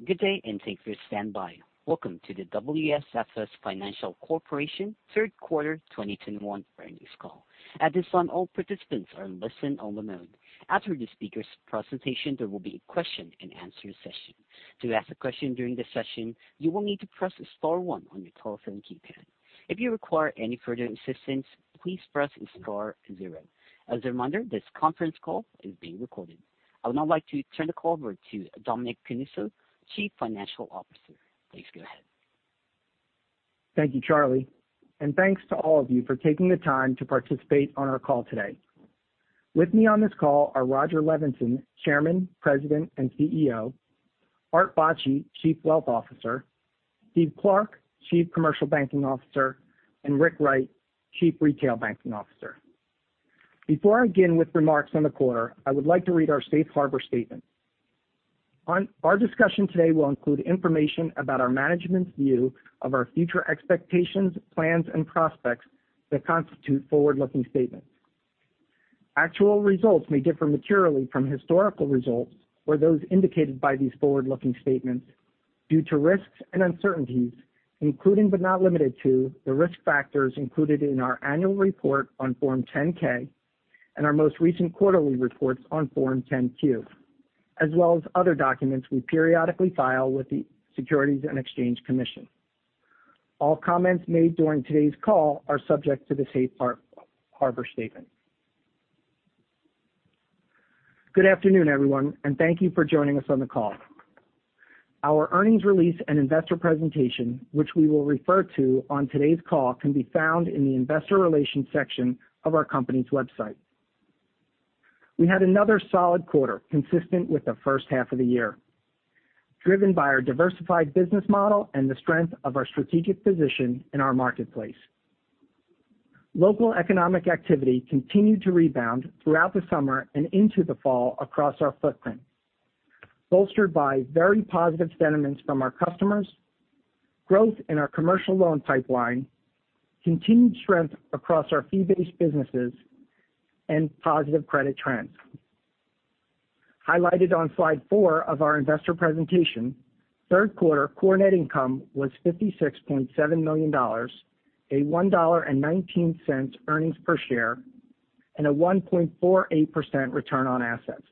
I would now like to turn the call over to Dominic Canuso, Chief Financial Officer. Please go ahead. Thank you, Charlie. Thanks to all of you for taking the time to participate on our call today. With me on this call are Rodger Levenson, Chairman, President, and CEO, Art Bacci, Chief Wealth Officer, Steve Clark, Chief Commercial Banking Officer, and Rick Wright, Chief Retail Banking Officer. Before I begin with remarks on the quarter, I would like to read our safe harbor statement. Our discussion today will include information about our management's view of our future expectations, plans, and prospects that constitute forward-looking statements. Actual results may differ materially from historical results or those indicated by these forward-looking statements due to risks and uncertainties, including, but not limited to, the risk factors included in our annual report on Form 10-K and our most recent quarterly reports on Form 10-Q, as well as other documents we periodically file with the Securities and Exchange Commission. All comments made during today's call are subject to the safe harbor statement. Good afternoon, everyone, and thank you for joining us on the call. Our earnings release and investor presentation, which we will refer to on today's call, can be found in the investor relations section of our company's website. We had another solid quarter consistent with the first half of the year, driven by our diversified business model and the strength of our strategic position in our marketplace. Local economic activity continued to rebound throughout the summer and into the fall across our footprint, bolstered by very positive sentiments from our customers, growth in our commercial loan pipeline, continued strength across the fee-based businesses, and positive credit trends. Highlighted on Slide 4 of our investor presentation, third quarter core net income was $56.7 million, a $1.19 earnings per share, and a 1.48% return on assets.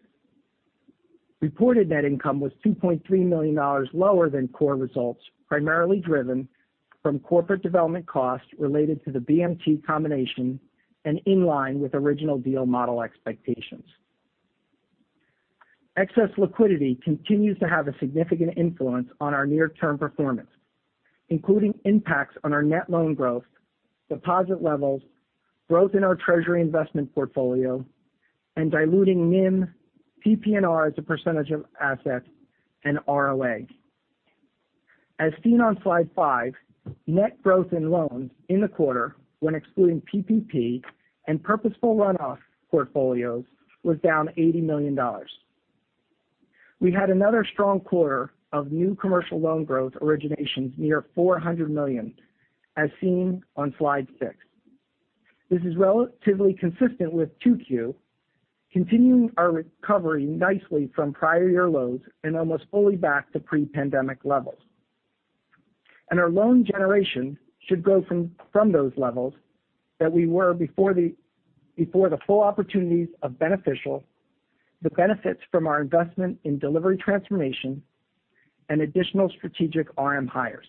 Reported net income was $2.3 million lower than core results, primarily driven from corporate development costs related to the BMT combination and in line with original deal model expectations. Excess liquidity continues to have a significant influence on our near-term performance, including impacts on our net loan growth, deposit levels, growth in our treasury investment portfolio, and diluting NIM, PPNR as a percentage of assets, and ROA. As seen on Slide 5, net growth in loans in the quarter, when excluding PPP and purposeful runoff portfolios, was down $80 million. We had another strong quarter of new commercial loan growth originations near $400 million, as seen on Slide 6. This is relatively consistent with 2Q, continuing our recovery nicely from prior year lows and almost fully back to pre-pandemic levels. Our loan generation should grow from those levels that we were before the full opportunities of Beneficial, the benefits from our investment in delivery transformation and additional strategic RM hires.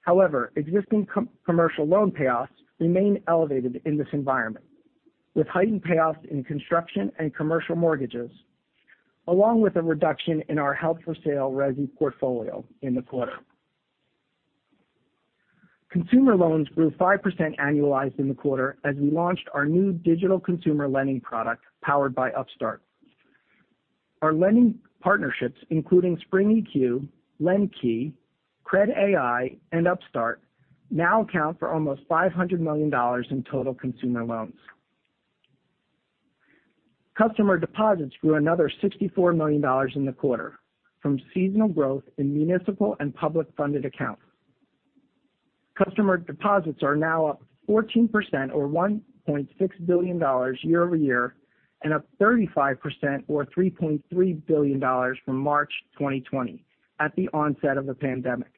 However, existing commercial loan payoffs remain elevated in this environment, with heightened payoffs in construction and commercial mortgages, along with a reduction in our held-for-sale resi portfolio in the quarter. Consumer loans grew 5% annualized in the quarter as we launched our new digital consumer lending product powered by Upstart. Our lending partnerships, including Spring EQ, LendKey, cred.ai, and Upstart now account for almost $500 million in total consumer loans. Customer deposits grew another $64 million in the quarter from seasonal growth in municipal and public funded accounts. Customer deposits are now up 14%, or $1.6 billion year-over-year, and up 35%, or $3.3 billion from March 2020 at the onset of the pandemic.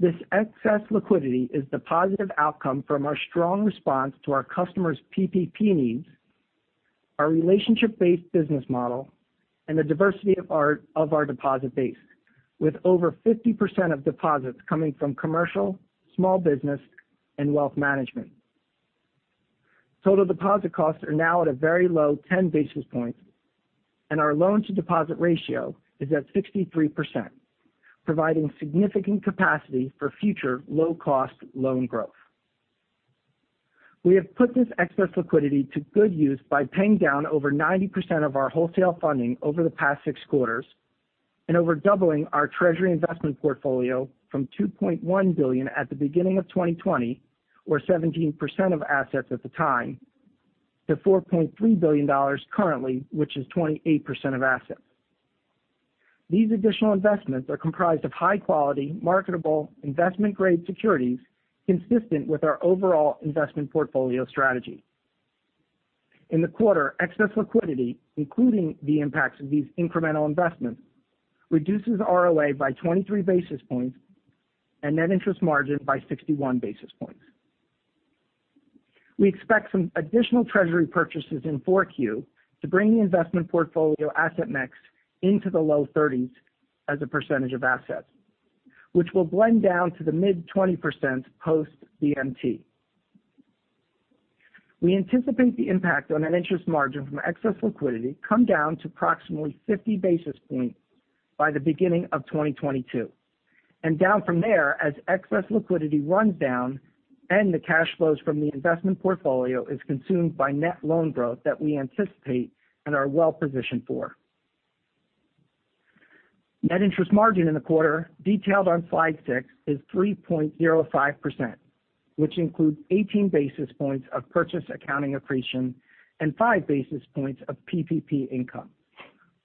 This excess liquidity is the positive outcome from our strong response to our customers' PPP needs, our relationship-based business model, and the diversity of our deposit base, with over 50% of deposits coming from commercial, small business, and wealth management. Total deposit costs are now at a very low 10 basis points, and our loan to deposit ratio is at 63%, providing significant capacity for future low-cost loan growth. We have put this excess liquidity to good use by paying down over 90% of our wholesale funding over the past six quarters and over doubling our treasury investment portfolio from $2.1 billion at the beginning of 2020, or 17% of assets at the time, to $4.3 billion currently, which is 28% of assets. These additional investments are comprised of high-quality, marketable investment-grade securities consistent with our overall investment portfolio strategy. In the quarter, excess liquidity, including the impacts of these incremental investments, reduces ROA by 23 basis points and net interest margin by 61 basis points. We expect some additional treasury purchases in 4Q to bring the investment portfolio asset mix into the low 30s as a percentage of assets, which will blend down to the mid-20% post-BMT. We anticipate the impact on net interest margin from excess liquidity come down to approximately 50 basis points by the beginning of 2022, and down from there as excess liquidity runs down and the cash flows from the investment portfolio is consumed by net loan growth that we anticipate and are well positioned for. Net interest margin in the quarter, detailed on Slide 6, is 3.05%, which includes 18 basis points of purchase accounting accretion and 5 basis points of PPP income,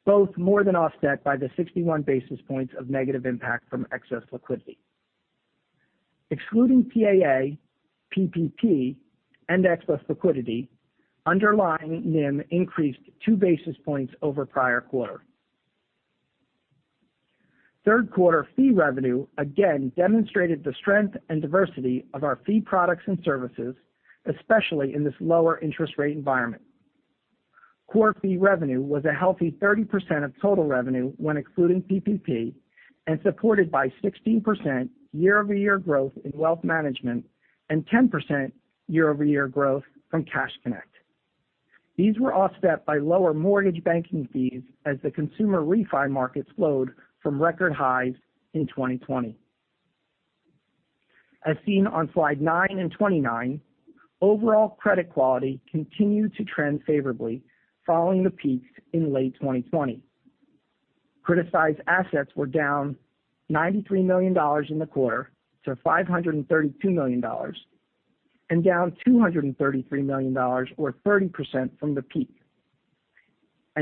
both more than offset by the 61 basis points of negative impact from excess liquidity. Excluding PAA, PPP, and excess liquidity, underlying NIM increased 2 basis points over prior quarter. Third quarter fee revenue again demonstrated the strength and diversity of our fee products and services, especially in this lower interest rate environment. Core fee revenue was a healthy 30% of total revenue when excluding PPP and supported by 16% year-over-year growth in wealth management and 10% year-over-year growth from Cash Connect. These were offset by lower mortgage banking fees as the consumer refi markets slowed from record highs in 2020. As seen on Slide 9 and 29, overall credit quality continued to trend favorably following the peaks in late 2020. Criticized assets were down $93 million in the quarter to $532 million and down $233 million, or 30%, from the peak.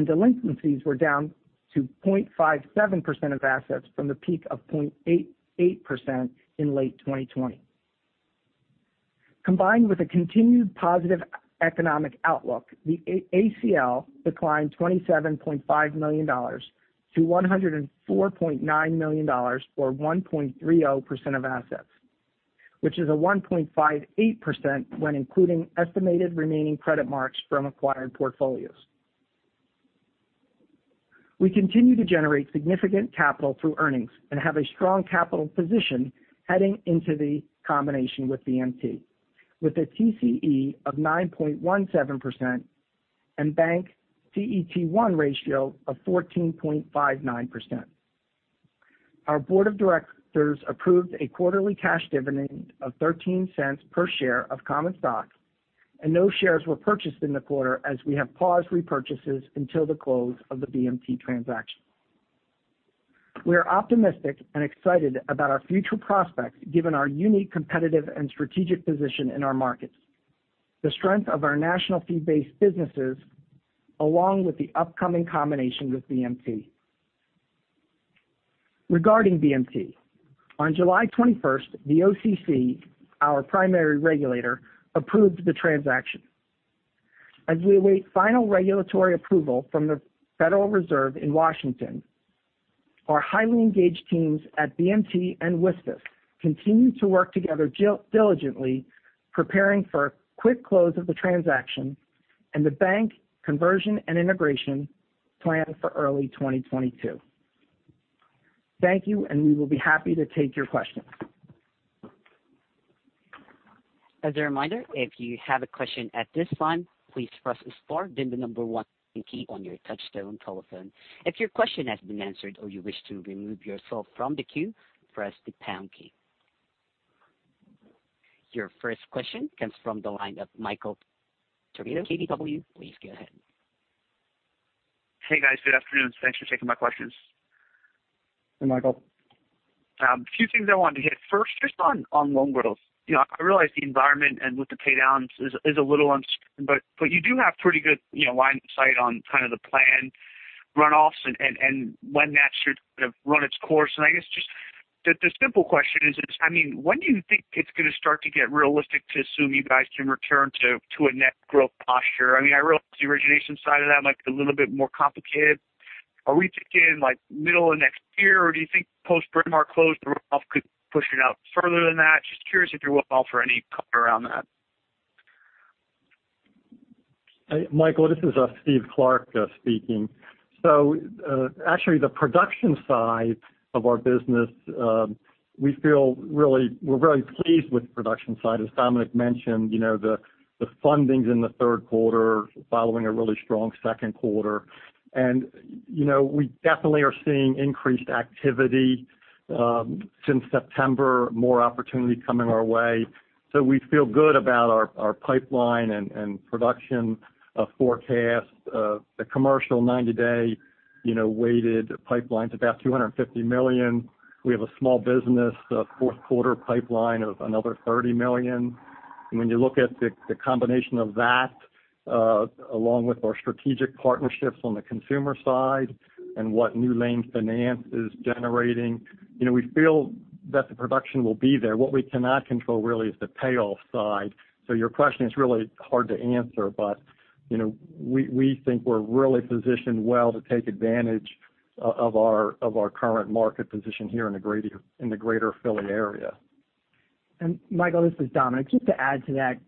Delinquencies were down to 0.57% of assets from the peak of 0.88% in late 2020. Combined with a continued positive economic outlook, the ACL declined $27.5 million to $104.9 million or 1.30% of assets, which is a 1.58% when including estimated remaining credit marks from acquired portfolios. We continue to generate significant capital through earnings and have a strong capital position heading into the combination with BMT with a TCE of 9.17% and bank CET1 ratio of 14.59%. Our board of directors approved a quarterly cash dividend of $0.13 per share of common stock, and no shares were purchased in the quarter as we have paused repurchases until the close of the BMT transaction. We are optimistic and excited about our future prospects given our unique competitive and strategic position in our markets, the strength of our national fee-based businesses, along with the upcoming combination with BMT. Regarding BMT, on July 21st, the OCC, our primary regulator, approved the transaction. As we await final regulatory approval from the Federal Reserve in Washington, our highly engaged teams at BMT and WSFS continue to work together diligently, preparing for quick close of the transaction and the bank conversion and integration planned for early 2022. Thank you, and we will be happy to take your questions. As a reminder, if you have a question at this time please press star then the number one key on your touch-tone telephone. If you question has been answered or you wish to remove yourself from the queue, press the pound key. Your first question comes from the line of Michael Perito, KBW. Please go ahead. Hey, guys. Good afternoon. Thanks for taking my questions. Hey, Michael. A few things I wanted to hit. First, just on loan growth. I realize the environment and with the paydowns is a little uncertain, but you do have pretty good line of sight on the planned runoffs and when that should run its course. Just the simple question is, when do you think it's going to start to get realistic to assume you guys can return to a net growth posture? I realize the origination side of that might be a little bit more complicated. Are we thinking middle of next year, or do you think post-Bryn Mawr close the runoff could push it out further than that? Just curious if you're willing to offer any color around that. Michael, this is Steve Clark speaking. Actually the production side of our business, we're very pleased with the production side. As Dominic mentioned, the fundings in the third quarter following a really strong second quarter. We definitely are seeing increased activity since September, more opportunity coming our way. We feel good about our pipeline and production forecast. The commercial 90-day weighted pipeline's about $250 million. We have a small business fourth quarter pipeline of another $30 million. When you look at the combination of that along with our strategic partnerships on the consumer side and what NewLane Finance is generating, we feel that the production will be there. What we cannot control really is the payoff side. Your question is really hard to answer, but we think we're really positioned well to take advantage of our current market position here in the Greater Philly area. Michael, this is Dominic. Just to add to that,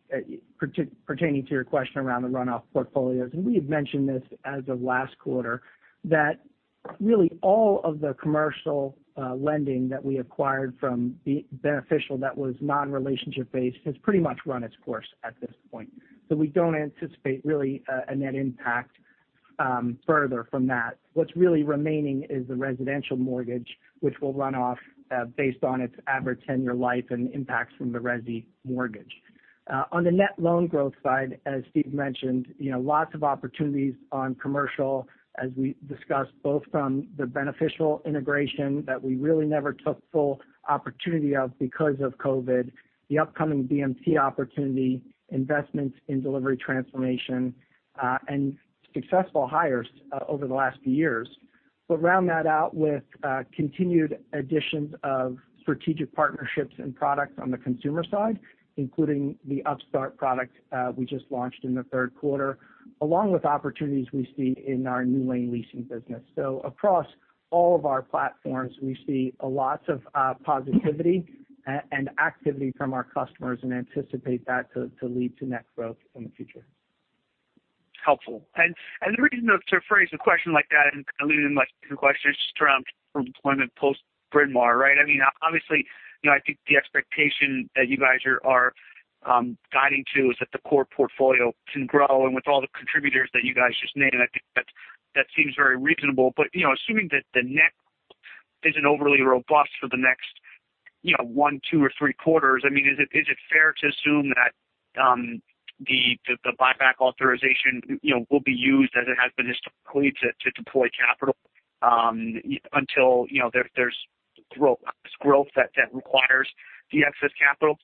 pertaining to your question around the runoff portfolios, we had mentioned this as of last quarter, that really all of the commercial lending that we acquired from the Beneficial that was non-relationship based has pretty much run its course at this point. We don't anticipate really a net impact further from that. What's really remaining is the residential mortgage, which will run off based on its average tenure life and impacts from the resi mortgage. On the net loan growth side, as Steve mentioned, lots of opportunities on commercial as we discussed, both from the Beneficial integration that we really never took full opportunity of because of COVID, the upcoming BMT opportunity, investments in delivery transformation, and successful hires over the last few years. Round that out with continued additions of strategic partnerships and products on the consumer side, including the Upstart product we just launched in the third quarter, along with opportunities we see in our NewLane Leasing business. Across all of our platforms, we see a lot of positivity and activity from our customers and anticipate that to lead to net growth in the future. Helpful. The reason to phrase a question like that and alluding to my two questions just around deployment post Bryn Mawr, right? Obviously, I think the expectation that you guys are guiding to is that the core portfolio can grow. With all the contributors that you guys just named, I think that seems very reasonable. Assuming that the net isn't overly robust for the next one, two or three quarters, is it fair to assume that the buyback authorization will be used as it has been historically to deploy capital until there's growth that requires the excess capital?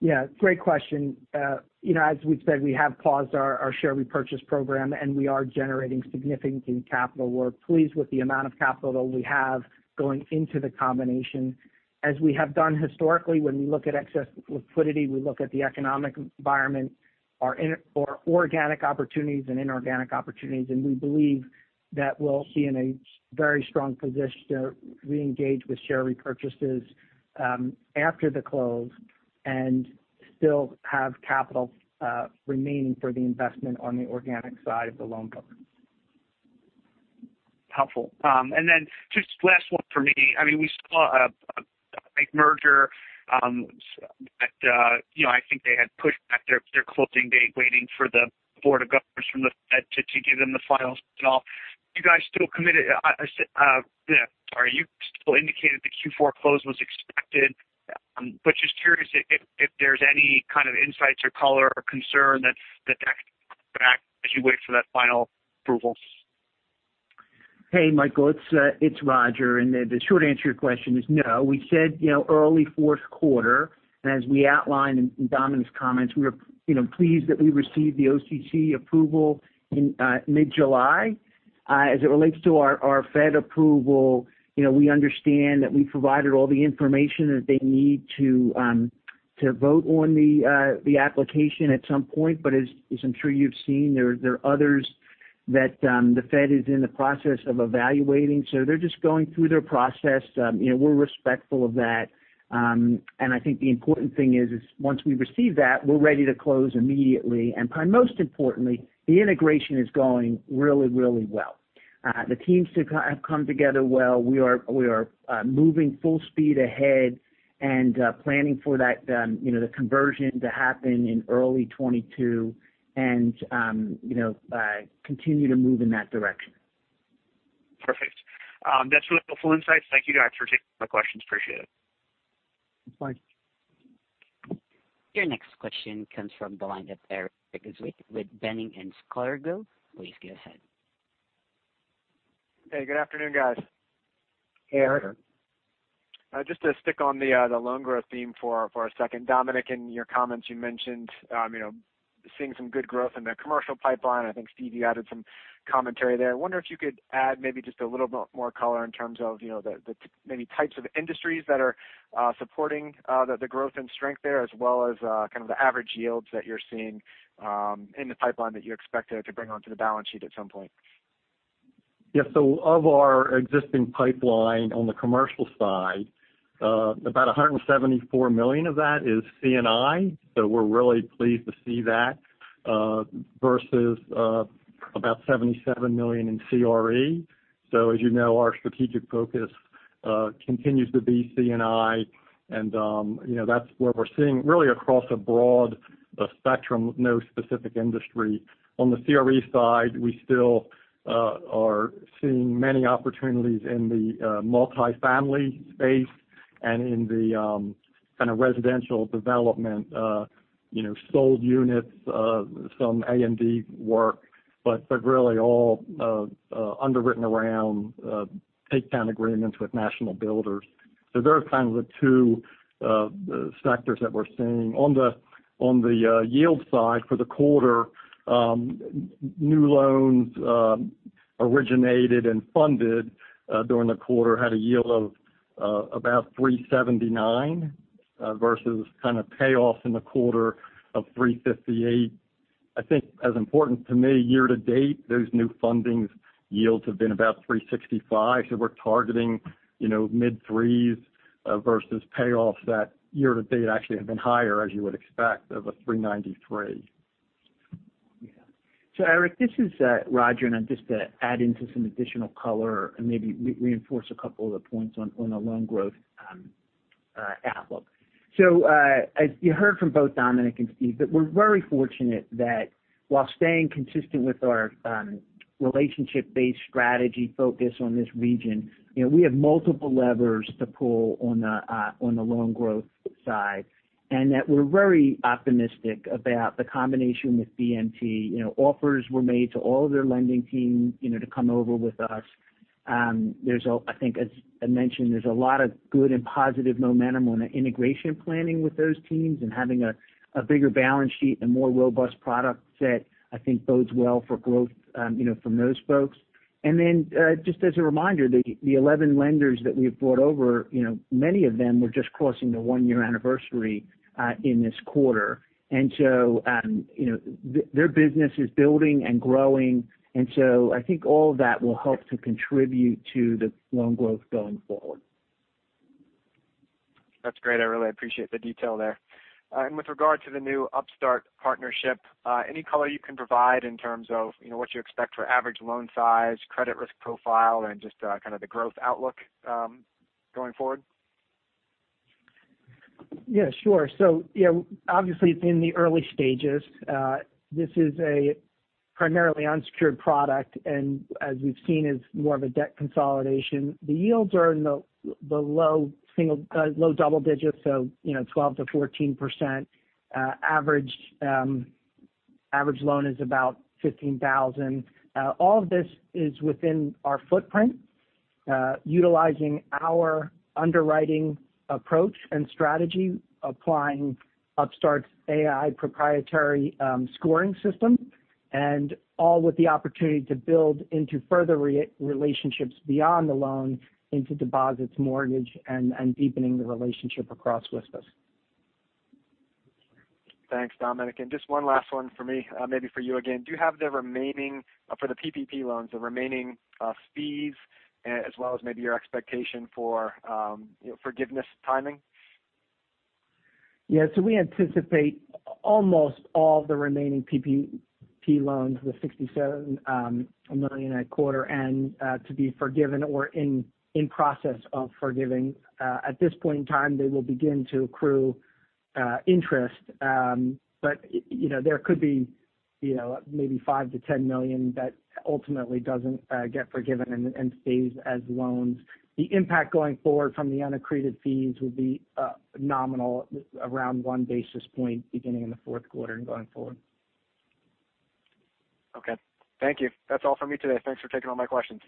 Yeah. Great question. As we've said, we have paused our share repurchase program, and we are generating significant capital. We're pleased with the amount of capital we have going into the combination. As we have done historically, when we look at excess liquidity, we look at the economic environment, our organic opportunities and inorganic opportunities, and we believe that we'll be in a very strong position to reengage with share repurchases after the close and still have capital remaining for the investment on the organic side of the loan book. Helpful. Just last one for me. We saw a big merger that I think they had pushed back their closing date waiting for the Board of Governors from the Fed to give them the files and all. You still indicated the Q4 close was expected. Just curious if there's any kind of insights or color or concern that back as you wait for that final approval? Hey, Michael, it's Rodger Levenson. The short answer to your question is no. We said early fourth quarter, as we outlined in Dominic's comments, we are pleased that we received the OCC approval in mid-July. As it relates to our Fed approval, we understand that we provided all the information that they need to vote on the application at some point. As I'm sure you've seen, there are others that the Fed is in the process of evaluating. They're just going through their process. We're respectful of that. I think the important thing is once we receive that, we're ready to close immediately. Most importantly, the integration is going really well. The teams have come together well. We are moving full speed ahead and planning for the conversion to happen in early 2022 and continue to move in that direction. Perfect. That's really helpful insights. Thank you, guys, for taking my questions. Appreciate it. Thanks, Mike. Your next question comes from the line of Erik Zwick with Boenning & Scattergood. Please go ahead. Hey, good afternoon, guys. Hey, Erik. Just to stick on the loan growth theme for a second. Dominic, in your comments you mentioned seeing some good growth in the commercial pipeline. I think Steve you added some commentary there. I wonder if you could add maybe just a little bit more color in terms of the maybe types of industries that are supporting the growth and strength there, as well as kind of the average yields that you're seeing in the pipeline that you expect to bring onto the balance sheet at some point. Yeah. Of our existing pipeline on the commercial side, about $174 million of that is C&I. We're really pleased to see that, versus about $77 million in CRE. As you know, our strategic focus continues to be C&I, and that's where we're seeing really across a broad spectrum, no specific industry. On the CRE side, we still are seeing many opportunities in the multifamily space and in the kind of residential development, sold units, some A&D work. They're really all underwritten around takedown agreements with national builders. There are kind of the two sectors that we're seeing. On the yield side for the quarter, new loans originated and funded during the quarter had a yield of about 3.79% versus kind of payoffs in the quarter of 3.58%. I think as important to me, year-to-date, those new fundings yields have been about 3.65%. We're targeting mid threes versus payoffs that year-to-date actually have been higher, as you would expect, of 3.93%. Erik, this is Rodger, and just to add into some additional color and maybe reinforce a couple of the points on the loan growth outlook. As you heard from both Dominic and Steve, that we're very fortunate that while staying consistent with our relationship-based strategy focus on this region, we have multiple levers to pull on the loan growth side. That we're very optimistic about the combination with BMT. Offers were made to all of their lending team to come over with us. I think as I mentioned, there's a lot of good and positive momentum on the integration planning with those teams and having a bigger balance sheet and more robust product set, I think bodes well for growth from those folks. Just as a reminder, the 11 lenders that we've brought over, many of them were just crossing the one-year anniversary in this quarter. Their business is building and growing, and so I think all of that will help to contribute to the loan growth going forward. That's great. I really appreciate the detail there. With regard to the new Upstart partnership, any color you can provide in terms of what you expect for average loan size, credit risk profile, and just kind of the growth outlook going forward? Yeah, sure. Obviously it's in the early stages. This is a primarily unsecured product, and as we've seen is more of a debt consolidation. The yields are in the low double digits, so 12%-14%. Average loan is about $15,000. All of this is within our footprint utilizing our underwriting approach and strategy, applying Upstart's AI proprietary scoring system, and all with the opportunity to build into further relationships beyond the loan into deposits, mortgage, and deepening the relationship across WSFS. Thanks, Dominic. Just one last one for me, maybe for you again. Do you have the remaining for the PPP loans, the remaining fees as well as maybe your expectation for forgiveness timing? We anticipate almost all the remaining PPP loans, the $67 million a quarter and to be forgiven or in process of forgiving. At this point in time, they will begin to accrue interest. There could be maybe $5 million-$10 million that ultimately doesn't get forgiven and stays as loans. The impact going forward from the unaccreted fees would be nominal, around 1 basis point beginning in the fourth quarter and going forward. Okay. Thank you. That's all from me today. Thanks for taking all my questions.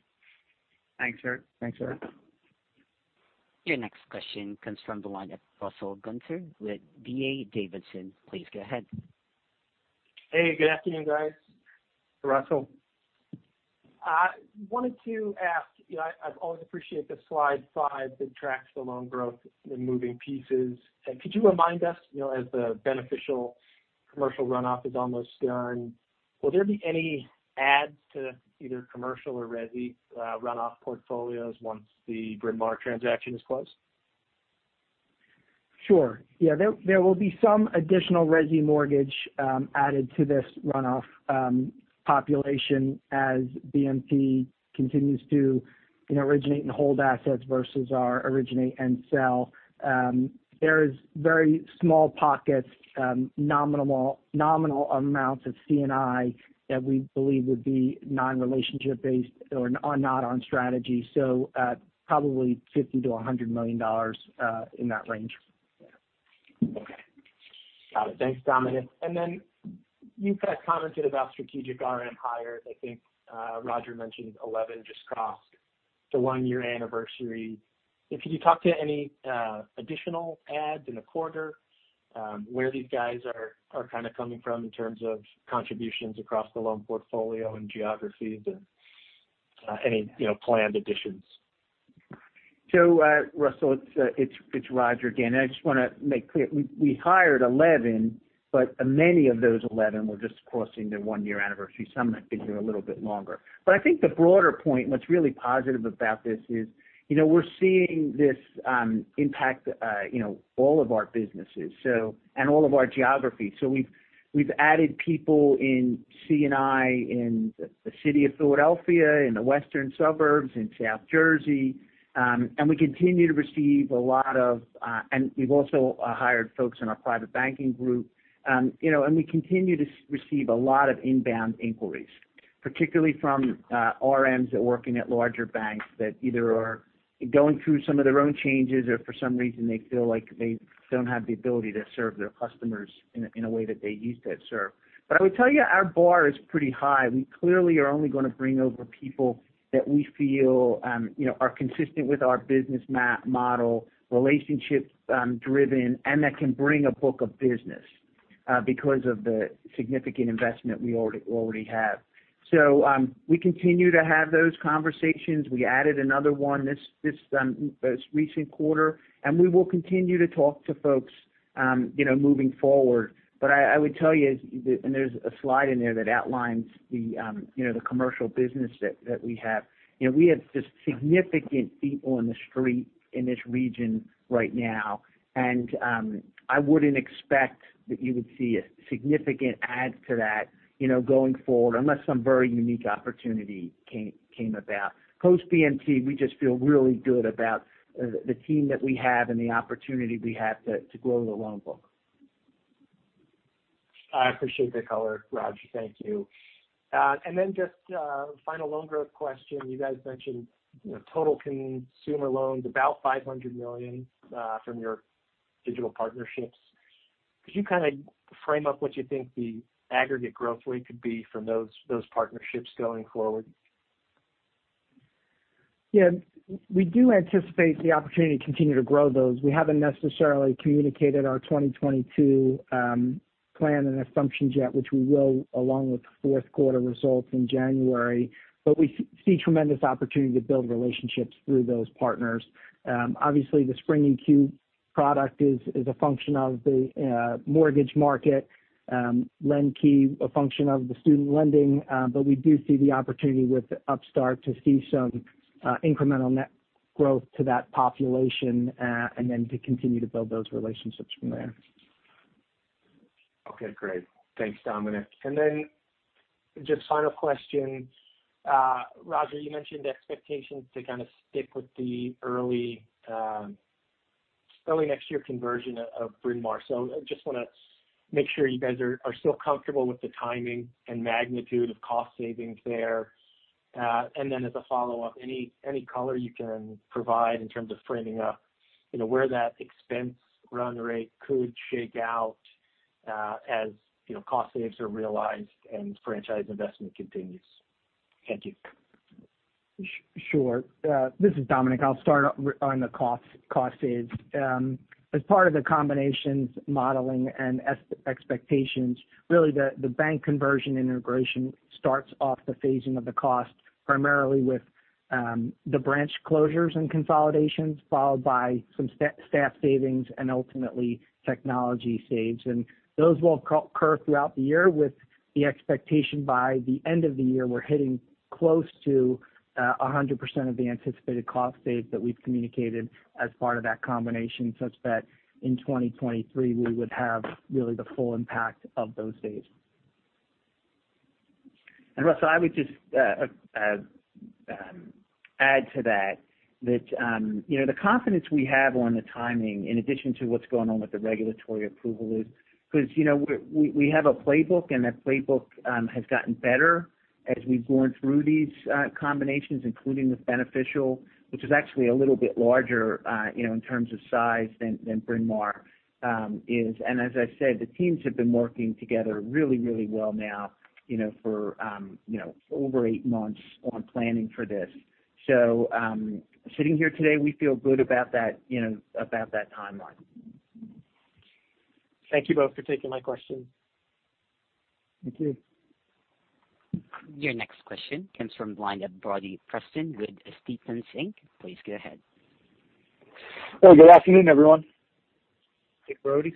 Thanks, Erik. Thanks, Erik. Your next question comes from the line of Russell Gunther with D.A. Davidson. Please go ahead. Hey, good afternoon, guys. Russell. I wanted to ask, I've always appreciated the Slide 5 that tracks the loan growth and moving pieces. Could you remind us as the Beneficial commercial runoff is almost done, will there be any adds to either commercial or resi runoff portfolios once the Bryn Mawr transaction is closed? Sure. Yeah, there will be some additional resi mortgage added to this runoff population as BMT continues to originate and hold assets versus our originate and sell. There is very small pockets nominal amounts of C&I that we believe would be non-relationship based or not on strategy. Probably $50 million-$100 million in that range. Okay. Got it. Thanks, Dominic. You guys commented about strategic RM hires. I think Rodger mentioned 11 just crossed the one-year anniversary. Can you talk to any additional adds in the quarter where these guys are kind of coming from in terms of contributions across the loan portfolio and geographies and any planned additions? Russell, it's Rodger again. I just want to make clear, we hired 11, but many of those 11 were just crossing their one-year anniversary. Some I think are a little bit longer. I think the broader point and what's really positive about this is we're seeing this impact all of our businesses, and all of our geographies. We've added people in C&I in the city of Philadelphia, in the western suburbs, in South Jersey, and we've also hired folks in our private banking group. We continue to receive a lot of inbound inquiries, particularly from RMs that working at larger banks that either are going through some of their own changes or for some reason they feel like they don't have the ability to serve their customers in a way that they used to serve. I would tell you our bar is pretty high. We clearly are only going to bring over people that we feel are consistent with our business model, relationship-driven, and that can bring a book of business because of the significant investment we already have. We continue to have those conversations. We added another one this most recent quarter, and we will continue to talk to folks moving forward. I would tell you, and there's a slide in there that outlines the commercial business that we have. We have just significant feet on the street in this region right now, and I wouldn't expect that you would see a significant add to that going forward, unless some very unique opportunity came about. Post-BMT, we just feel really good about the team that we have and the opportunity we have to grow the loan book. I appreciate the color, Rodger. Thank you. Just a final loan growth question. You guys mentioned total consumer loans, about $500 million from your digital partnerships. Could you kind of frame up what you think the aggregate growth rate could be from those partnerships going forward? Yeah. We do anticipate the opportunity to continue to grow those. We haven't necessarily communicated our 2022 plan and assumptions yet, which we will along with the fourth quarter results in January. We see tremendous opportunity to build relationships through those partners. Obviously, the Spring EQ product is a function of the mortgage market, LendKey a function of the student lending. We do see the opportunity with Upstart to see some incremental net growth to that population, and then to continue to build those relationships from there. Okay, great. Thanks, Dominic. Just final question. Rodger, you mentioned expectations to kind of stick with the early next year conversion of Bryn Mawr. I just want to make sure you guys are still comfortable with the timing and magnitude of cost savings there. As a follow-up, any color you can provide in terms of framing up where that expense run rate could shake out as cost saves are realized and franchise investment continues? Thank you. Sure. This is Dominic. I'll start on the cost saves. As part of the combinations modeling and expectations, really the bank conversion integration starts off the phasing of the cost, primarily with the branch closures and consolidations, followed by some staff savings and ultimately technology saves. Those will occur throughout the year with the expectation by the end of the year, we're hitting close to 100% of the anticipated cost saves that we've communicated as part of that combination, such that in 2023, we would have really the full impact of those saves. Russ, I would just add to that the confidence we have on the timing, in addition to what's going on with the regulatory approval is because we have a playbook, and that playbook has gotten better as we've gone through these combinations, including with Beneficial, which is actually a little bit larger in terms of size than Bryn Mawr is. As I said, the teams have been working together really well now for over eight months on planning for this. Sitting here today, we feel good about that timeline. Thank you both for taking my questions. Thank you. Your next question comes from the line of Brody Preston with Stephens Inc. Please go ahead. Good afternoon, everyone. Hey, Brody.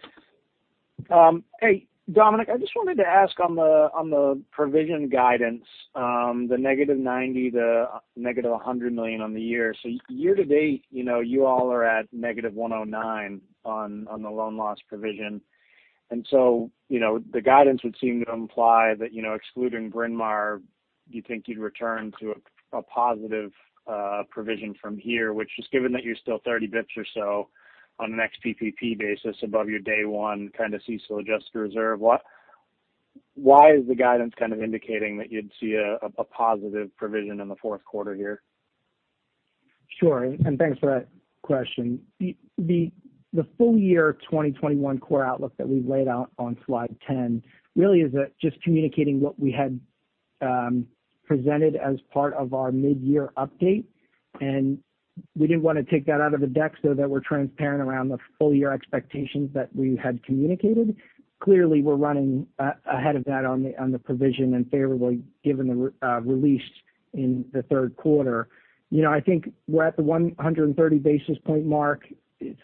Hey, Dominic. I just wanted to ask on the provision guidance, the -$90 million to -$100 million on the year. Year-to-date, you all are at -$109 on the loan loss provision. The guidance would seem to imply that excluding Bryn Mawr, you think you'd return to a positive provision from here, which just given that you're still 30 basis points or so on an ex-PPP basis above your day one kind of CECL adjusted reserve. Why is the guidance kind of indicating that you'd see a positive provision in the fourth quarter here? Sure. Thanks for that question. The full year 2021 core outlook that we've laid out on Slide 10 really is just communicating what we had presented as part of our mid-year update, and we didn't want to take that out of the deck so that we're transparent around the full-year expectations that we had communicated. Clearly, we're running ahead of that on the provision and favorably given the release in the third quarter. I think we're at the 130 basis point mark.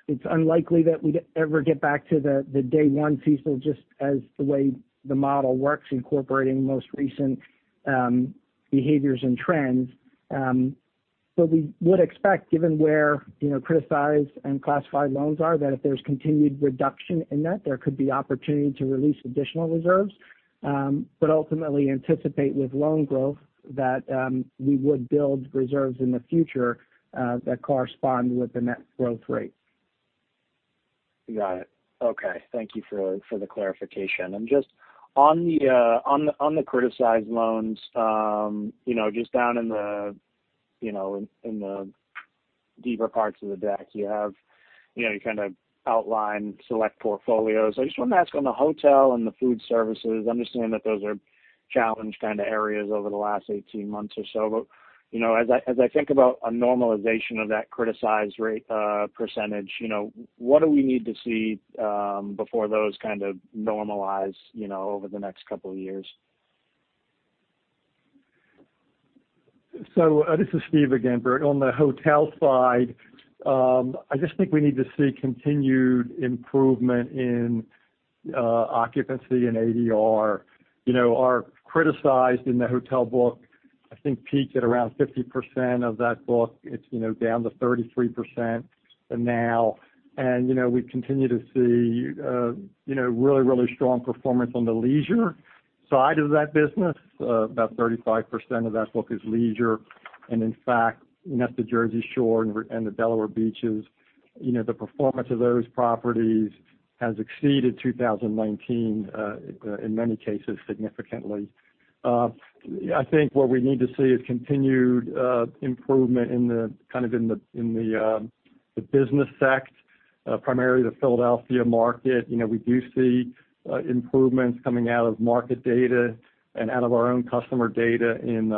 It's unlikely that we'd ever get back to the day one CECL just as the way the model works, incorporating the most recent behaviors and trends. We would expect, given where criticized and classified loans are, that if there's continued reduction in that, there could be opportunity to release additional reserves. Ultimately anticipate with loan growth that we would build reserves in the future that correspond with the net growth rate. Got it. Okay. Thank you for the clarification. Just on the criticized loans, just down in the deeper parts of the deck, you kind of outlined select portfolios. I just wanted to ask on the hotel and the food services, I understand that those are challenge kind of areas over the last 18 months or so. As I think about a normalization of that criticized rate percentage, what do we need to see before those kind of normalize over the next couple of years? This is Steve again, Brody. On the hotel side, I just think we need to see continued improvement in occupancy and ADR. Our criticized in the hotel book, I think, peaked at around 50% of that book. It's down to 33% now. We continue to see really strong performance on the leisure side of that business. About 35% of that book is leisure. In fact, that's the Jersey Shore and the Delaware beaches. The performance of those properties has exceeded 2019, in many cases significantly. I think what we need to see is continued improvement in the business sect, primarily the Philadelphia market. We do see improvements coming out of market data and out of our own customer data in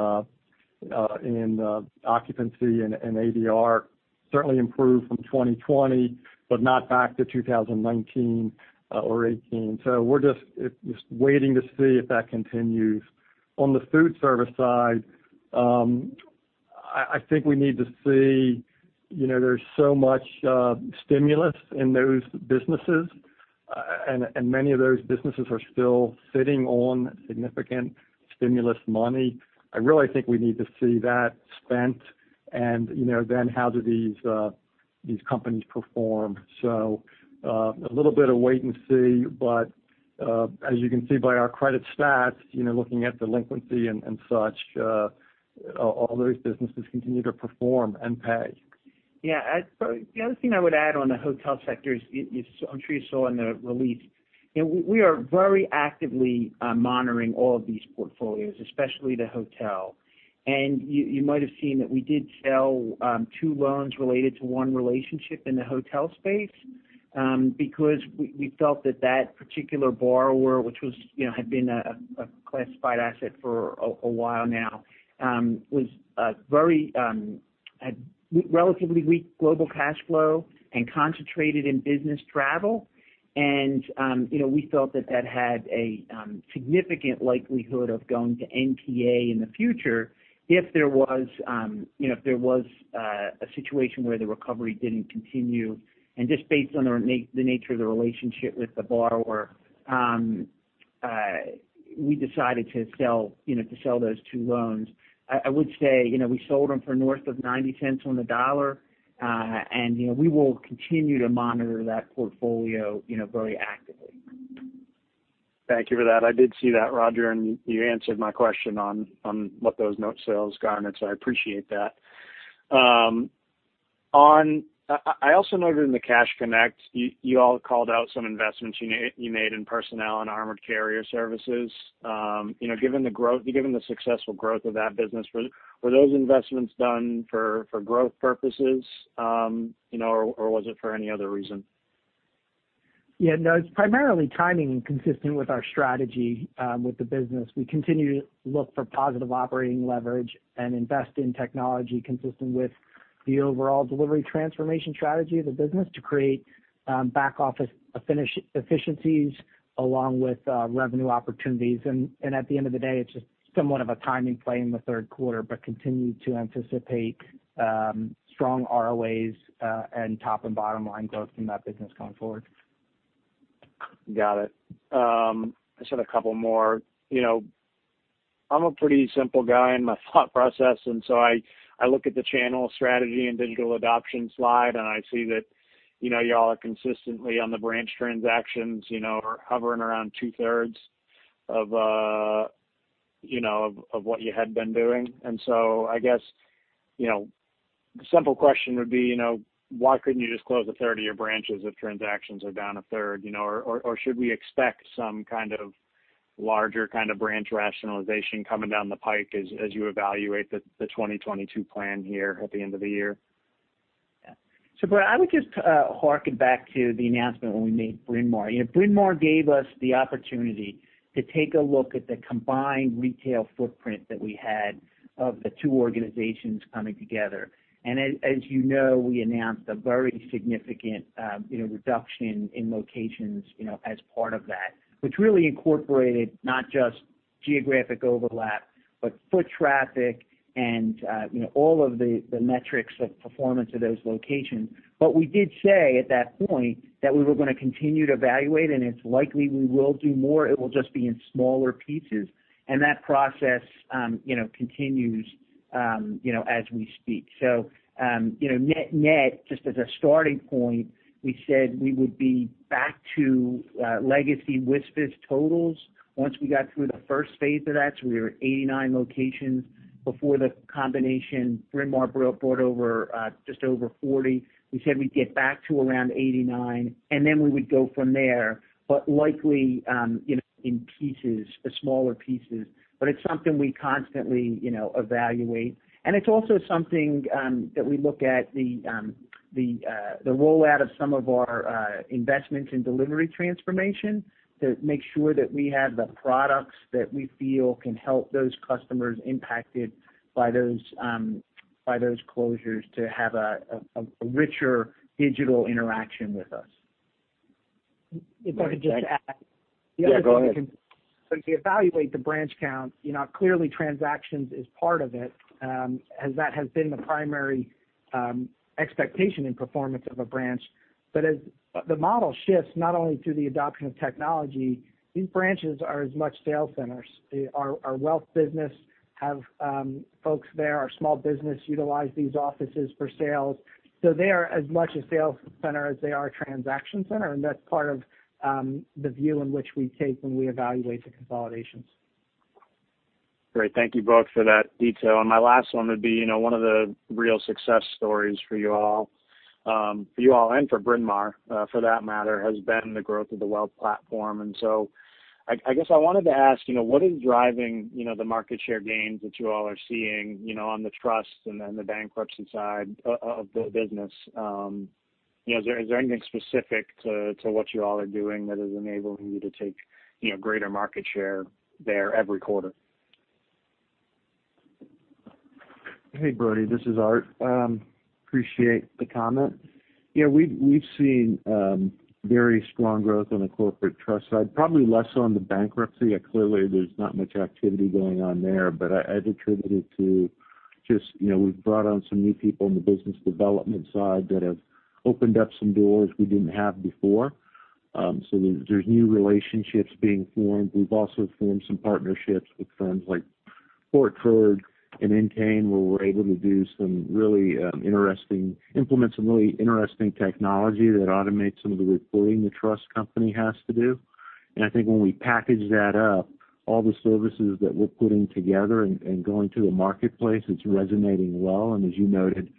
occupancy and ADR certainly improved from 2020, but not back to 2019 or 2018. We're just waiting to see if that continues. On the food service side, I think we need to see there's so much stimulus in those businesses, and many of those businesses are still sitting on significant stimulus money. I really think we need to see that spent and then how do these companies perform. A little bit of wait and see, but as you can see by our credit stats looking at delinquency and such, all those businesses continue to perform and pay. Yeah. The other thing I would add on the hotel sector is, I'm sure you saw in the release. We are very actively monitoring all of these portfolios, especially the hotel. You might have seen that we did sell two loans related to one relationship in the hotel space because we felt that that particular borrower which had been a classified asset for a while now was relatively weak global cash flow and concentrated in business travel. We felt that that had a significant likelihood of going to NPA in the future if there was a situation where the recovery didn't continue. Just based on the nature of the relationship with the borrower, we decided to sell those two loans. I would say we sold them for north of $0.90 on the dollar. We will continue to monitor that portfolio very actively. Thank you for that. I did see that, Rodger, and you answered my question on what those note sales garnered. I appreciate that. I also noted in the Cash Connect you all called out some investments you made in personnel and armored carrier services. Given the successful growth of that business, were those investments done for growth purposes? Or was it for any other reason? It's primarily timing consistent with our strategy with the business. We continue to look for positive operating leverage and invest in technology consistent with the overall delivery transformation strategy of the business to create back-office efficiencies along with revenue opportunities. At the end of the day, it's just somewhat of a timing play in the third quarter, but continue to anticipate strong ROAs and top and bottom line growth in that business going forward. Got it. I just had a couple more. I'm a pretty simple guy in my thought process. I look at the channel strategy and digital adoption slide, and I see that you all are consistently on the branch transactions hovering around two-thirds of what you had been doing. I guess the simple question would be why couldn't you just close a third of your branches if transactions are down a third? Should we expect some kind of larger kind of branch rationalization coming down the pike as you evaluate the 2022 plan here at the end of the year? Yeah. Brod, I would just harken back to the announcement when we made Bryn Mawr. Bryn Mawr gave us the opportunity to take a look at the combined retail footprint that we had of the two organizations coming together. As you know, we announced a very significant reduction in locations as part of that. Which really incorporated not just geographic overlap but foot traffic and all of the metrics of performance of those locations. We did say at that point that we were going to continue to evaluate, and it's likely we will do more. It will just be in smaller pieces. That process continues as we speak. Net net, just as a starting point, we said we would be back to legacy WSFS totals once we got through the first phase of that. We were at 89 locations before the combination. Bryn Mawr brought just over 40. We said we'd get back to around 89. Then we would go from there, likely in pieces or smaller pieces. It's something we constantly evaluate. It's also something that we look at the rollout of some of our investments in delivery transformation to make sure that we have the products that we feel can help those customers impacted by those closures to have a richer digital interaction with us. If I could just add. Yeah, go ahead. When we evaluate the branch count, clearly transactions is part of it, as that has been the primary expectation and performance of a branch. As the model shifts, not only through the adoption of technology, these branches are as much sales centers. Our wealth business have folks there. Our small business utilize these offices for sales. They are as much a sales center as they are a transaction center, and that's part of the view in which we take when we evaluate the consolidations. Great. Thank you both for that detail. My last one would be, one of the real success stories for you all, and for Bryn Mawr for that matter, has been the growth of the wealth platform. I guess I wanted to ask, what is driving the market share gains that you all are seeing on the trust and the bankruptcy side of the business? Is there anything specific to what you all are doing that is enabling you to take greater market share there every quarter? Hey, Brody. This is Art. Appreciate the comment. Yeah, we've seen very strong growth on the corporate trust side, probably less so on the bankruptcy. Clearly there's not much activity going on there. I'd attribute it to just, we've brought on some new people on the business development side that have opened up some doors we didn't have before. There's new relationships being formed. We've also formed some partnerships with firms like Fortard and Intain, where we're able to implement some really interesting technology that automates some of the reporting the trust company has to do. I think when we package that up, all the services that we're putting together and going to a marketplace, it's resonating well. As you noted,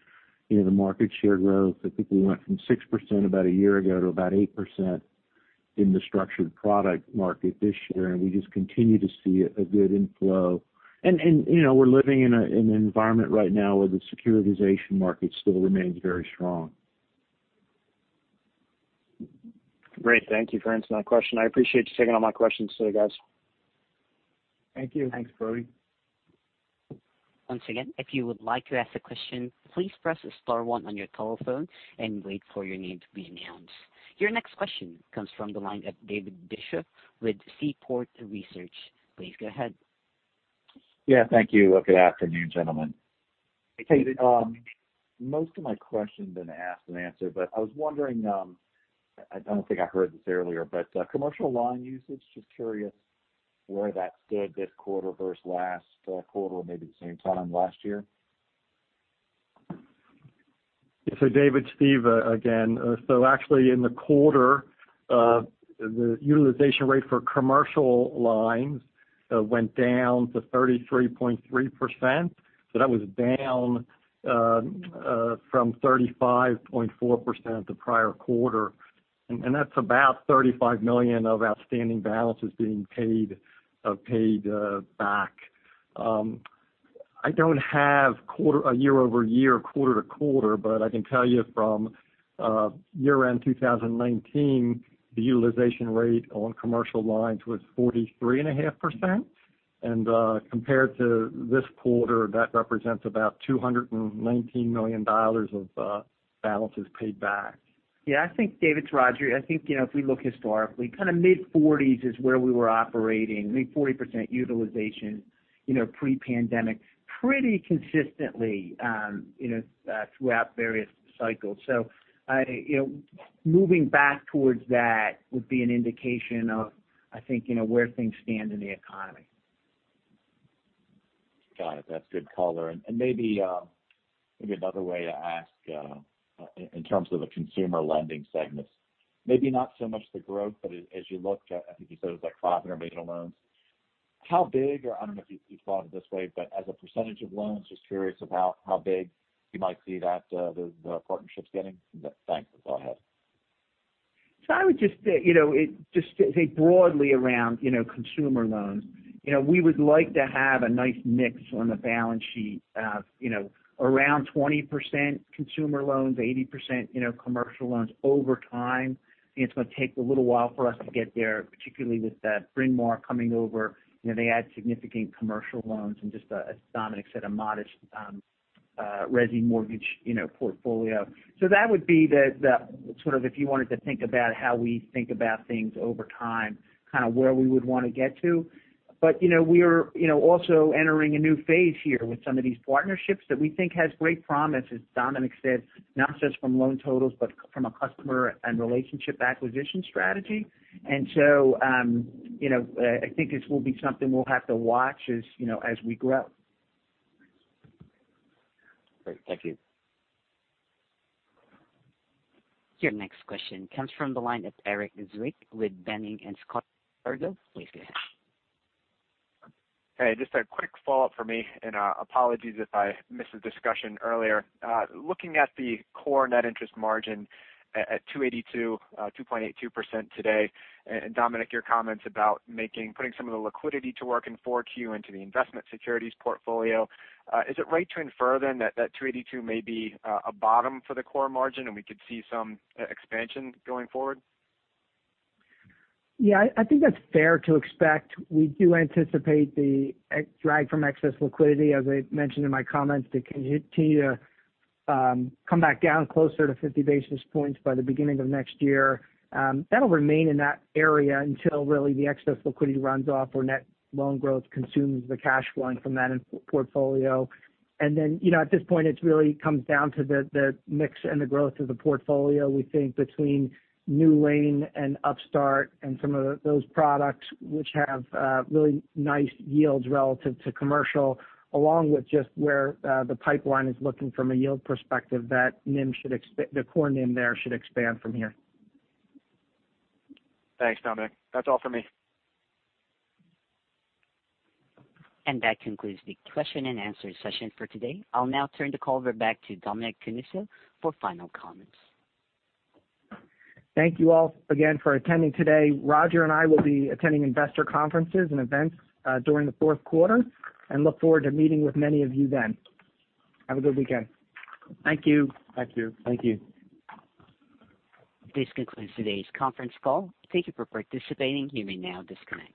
the market share growth, I think we went from 6% about a year ago to about 8% in the structured product market this year. We just continue to see a good inflow. We're living in an environment right now where the securitization market still remains very strong. Great. Thank you for answering that question. I appreciate you taking all my questions today, guys. Thank you. Thanks, Brody. Once again, if you would like to ask a question, please press star one on your telephone and wait for your name to be announced. Your next question comes from the line of David Bishop with Seaport Research. Please go ahead. Yeah, thank you. Good afternoon, gentlemen. Hey, David. Most of my question's been asked and answered. I was wondering, I don't think I heard this earlier, but commercial loan usage, just curious where that stood this quarter versus last quarter or maybe the same time last year? David, Steve again. Actually in the quarter, the utilization rate for commercial lines went down to 33.3%. That was down from 35.4% the prior quarter. That's about $35 million of outstanding balances being paid back. I don't have a year-over-year, quarter-to-quarter, but I can tell you from year-end 2019, the utilization rate on commercial lines was 43.5%. Compared to this quarter, that represents about $219 million of balances paid back. I think, David, it's Rodger. I think, if we look historically, mid-40s is where we were operating, mid 40% utilization, pre-pandemic, pretty consistently throughout various cycles. Moving back towards that would be an indication of, I think, where things stand in the economy. Got it. That's good color. Maybe another way to ask in terms of the consumer lending segment, maybe not so much the growth, but as you looked at, I think you said it was like 500 regional loans. How big, or I don't know if you thought it this way, but as a percentage of loans, just curious about how big you might see the partnerships getting. Thanks. Go ahead. I would just say broadly around consumer loans. We would like to have a nice mix on the balance sheet of around 20% consumer loans, 80% commercial loans over time. I think it's going to take a little while for us to get there, particularly with Bryn Mawr coming over. They add significant commercial loans and just as Dominic said, a modest resi-mortgage portfolio. That would be the sort of, if you wanted to think about how we think about things over time, where we would want to get to. We're also entering a new phase here with some of these partnerships that we think has great promise, as Dominic said, not just from loan totals, but from a customer and relationship acquisition strategy. I think this will be something we'll have to watch as we grow. Great. Thank you. Your next question comes from the line of Erik Zwick with Boenning & Scattergood. Please go ahead. Hey, just a quick follow-up from me, and apologies if I missed the discussion earlier. Looking at the core net interest margin at 2.82% today, and Dominic, your comments about putting some of the liquidity to work in 4Q into the investment securities portfolio. Is it right to infer then that 2.82% may be a bottom for the core margin and we could see some expansion going forward? Yeah, I think that's fair to expect. We do anticipate the drag from excess liquidity, as I mentioned in my comments, to continue to come back down closer to 50 basis points by the beginning of next year. That'll remain in that area until really the excess liquidity runs off or net loan growth consumes the cash flowing from that portfolio. At this point it really comes down to the mix and the growth of the portfolio. We think between NewLane and Upstart and some of those products which have really nice yields relative to commercial, along with just where the pipeline is looking from a yield perspective, the core NIM there should expand from here. Thanks, Dominic. That's all for me. That concludes the question and answer session for today. I'll now turn the call over back to Dominic Canuso for final comments. Thank you all again for attending today. Rodger and I will be attending investor conferences and events during the fourth quarter and look forward to meeting with many of you then. Have a good weekend. Thank you. Thank you. Thank you. This concludes today's conference call. Thank you for participating. You may now disconnect.